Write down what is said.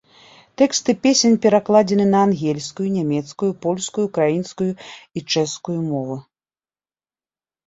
Тэксты песень перакладзены на ангельскую, нямецкую, польскую, украінскую і чэшскую мовы.